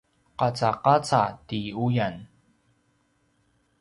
qacaqaca ti uyan